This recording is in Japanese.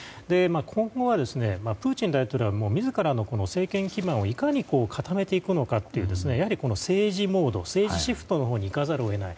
今後は、プーチン大統領は自らの政権基盤をいかに固めていくのかという政治モード政治シフトのほうに行かざるを得ない。